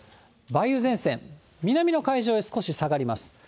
梅雨前線、南の海上へ少し下がります。